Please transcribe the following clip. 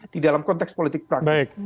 di dalam konteks politik praktis